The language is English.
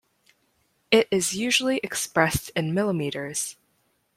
It is usually expressed in millimeters.